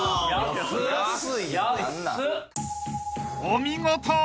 ［お見事！